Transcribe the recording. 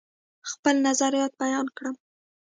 خپل نظریات بیان کړم.